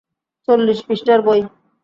চল্লিশ পৃষ্ঠার বই।